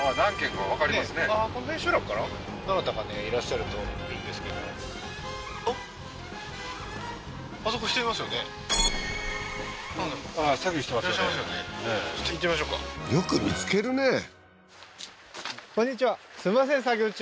いらっしゃいますよねよく見つけるね